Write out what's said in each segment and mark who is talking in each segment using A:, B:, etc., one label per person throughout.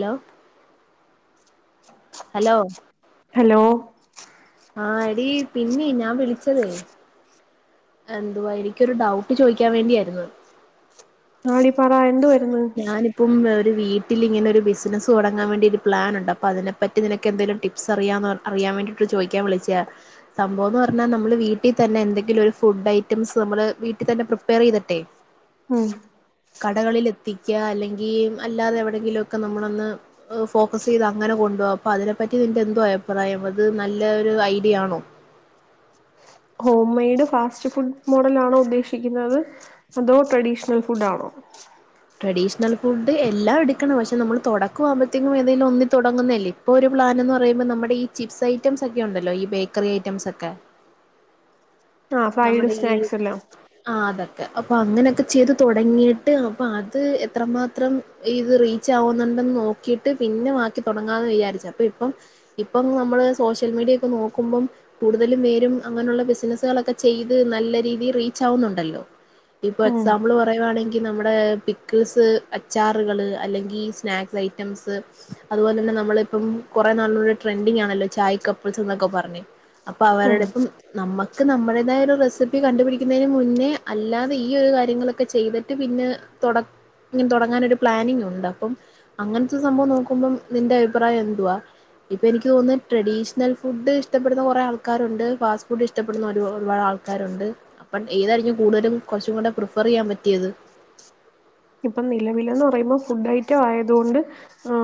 A: Hello.
B: [inaudible]
A: Hello.
B: Hello.
A: ആ, എടീ പിന്നെ ഞാൻ വിളിച്ചതേ എന്തുവാ എനിക്കൊരു ഡൗട്ട് ചോദിക്കാൻ വേണ്ടിയായിരുന്നു.
B: ആ, ടി, പറാ എന്ത്വായിരുന്നു?
A: ഇപ്പം ഒരു വീട്ടിൽ ഇങ്ങനെ ഒരു ബിസിനസ് തുടങ്ങാൻ വേണ്ടി ഒരു പ്ലാനുണ്ട്. അപ്പോ അതിനെപ്പറ്റി നിനക്കെന്തെലും ടിപ്പ് ട്ടിപ്സ് അറിയാന്ന് അറിയാൻ വേണ്ടിട്ട് ചോയിക്കാൻ വിളിച്ചയാ. സംഭവം എന്ന് പറഞ്ഞാൽ നമ്മള് വീട്ടിൽ തന്നെ എന്തെങ്കിലും ഒരു ഫുഡ് ഐറ്റംസ് നമ്മള് വീട്ടിൽ തന്നെ പ്രിപ്പയർ ചെയ്തിട്ടെ [inaudible]
B: ഉം.
A: കടകളിൽ എത്തിക്ക, അല്ലെങ്കിൽ അല്ലാതെ എവിടെങ്കിലും ഒക്കെ നമ്മളൊന്ന് ഫോക്കസ് ചെയ്ത് അങ്ങനെ കൊണ്ട്പോകാം. അപ്പോ അതിനെപ്പറ്റി നിന്റെ എന്തോ അഭിപ്രായം. അത് നല്ല ഒരു ഐഡിയ ആണോ?
B: Home made fast food, model ആണോ ഉദ്ദേശിക്കുന്നത് അതോ ട്രഡീഷണൽ ഫുഡ് ആണോ?
A: ട്രഡീഷണൽ ഫുഡ്, എല്ലാം എടുക്കണം. പക്ഷെ നമ്മള് തുടക്ക ആകുമ്പോത്തേക്കും ഏതെങ്കിലും ഒന്നി തുടങ്ങുന്നതല്ലേ ഇപ്പോൾ ഒരു പ്ലാന് എന്ന് പറയുമ്പോൾ നമ്മടെ ഈ ചിപ്സ് ഐറ്റംസ് ഒക്കെ ഉണ്ടല്ലോ, ഈ ബേക്കറി ഐറ്റംസ് ഒക്കെ
B: ആ ഫ്രൈഡ്
A: നമ്മുടെ ഈ
B: സ്നാക്സ് എല്ലാം
A: ആ, അതൊക്കെ അപ്പൊ അങ്ങനെയൊക്കെ ചെയ്ത് തൊടങ്ങിട്ട്, അപ്പൊ അത് എത്രമാത്രം ഇത് റീച്ച് ആവുന്നുണ്ടന്ന് നോക്കിട്ട് പിന്നെ ബാക്കി തുടങ്ങാമന്ന് വിചാരിച്ചു അപ്പൊ ഇപ്പം ഇപ്പം നമ്മള് സോഷ്യൽ മീഡിയ ഒക്കെ നോക്കുമ്പം കൂടുതലും പേരും അങ്ങനെയുള്ള ബിസിനസുകളൊക്കെ ചെയ്ത് നല്ല രീതിയിൽ റീച്ച് ആവുന്നുണ്ടല്ലോ. ഇപ്പൊ
B: ഉം
A: എക്സാമ്പിൾ പറ പറയുവാണെങ്കിൽ നമ്മുടെ പിക്കിൾസ് അച്ചാറുകൾ, അല്ലെങ്കിൽ സ്നാക്സ് ഐറ്റംസ് അതുപോലെ തന്നെ നമ്മള് ഇപ്പം കുറേ നല്ലൊരു ട്രെൻഡിങ് ആണല്ലൊ ചായ് കപ്പിൾസ് പറഞ്ഞ് അപ്പൊ
B: ഉം
A: അവരുടെ ഇപ്പം നമ്മുക്ക് നമ്മുടെ എന്തായാലും റെസിപ്പി കണ്ടുപിടിക്കുന്നതിന് മുന്നേ അല്ലാതെ ഈ ഒരു കാര്യങ്ങളൊക്കെ ചെയ്തിട്ട് പിന്നെ തുട ഇങ്ങനെ തുടങ്ങാനൊരു പ്ലാനിങ് ഉണ്ട്. അപ്പം അങ്ങനത്തെ സംഭവം നോക്കുമ്പം നിന്റെ അഭിപ്രായം എന്തുവാ, ഇപ്പൊ എനിക്ക് തോന്നുന്നു. ട്രഡീഷണൽ ഫുഡ്, ഇഷ്ടപ്പെടുന്ന കുറെ ആൾക്കാരുണ്ട്. ഫാസ്റ്റ് ഫുഡ്, ഇഷ്ടപ്പെടുന്ന ഒരുപാട് ഒരുപാട് ആൾക്കാരുണ്ട്. അപ്പം ഏതായിരിക്കും കൂടുതലും കുറച്ചും കൂടെ പ്രിഫർ ചെയ്യാൻ പറ്റിയത്.
B: ഇപ്പം നിലവിലന്ന് പറയുമ്പോ ഫുഡ് ഐറ്റം ആയത് കൊണ്ട് ആ,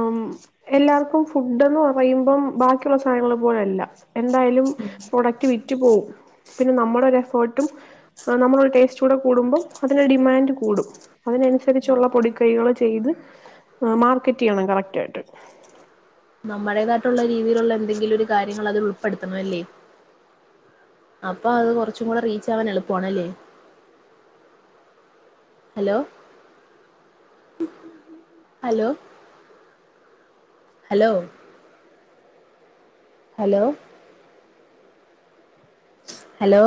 B: എല്ലാർക്കും ഫുഡ്ന്ന് പറയുമ്പം ബാക്കിയുള്ള സാധനങ്ങള് പോലല്ല. എന്തായാലും പ്രൊഡക്റ്റ് വിറ്റ് പോവും പിന്നെ നമ്മടെ ഒരു എഫേർട്ടും നമ്മള് ഒരു ടേസ്റ്റൂടെ കൂടുമ്പോ അതിന്റെ ഡിമാൻഡ് കൂടും അതിനനുസ രിച്ചുള്ള പൊടിക്കൈകൾ ചെയ്ത് മാർക്കറ്റ് ചെയ്യണം കറക്റ്റ് ആയിട്ട്
A: നമ്മടേതായിട്ടുള്ള രീതിയിലുള്ള എന്തെങ്കിലും ഒരു കാര്യങ്ങൾ അതിൽ ഉൾപ്പെടുത്തണംല്ലേ അപ്പൊ അത് കുറച്ചും കൂടെ റീച്ച് ആവാൻ എളുപ്പാണല്ലേ hello hello hello hello hello